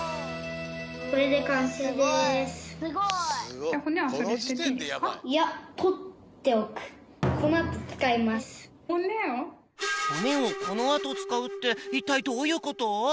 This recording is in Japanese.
これでいやほねをこのあとつかうっていったいどういうこと？